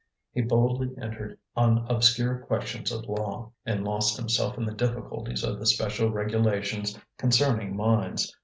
He boldly entered on obscure questions of law, and lost himself in the difficulties of the special regulations concerning mines.